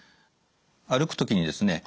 歩く時にですね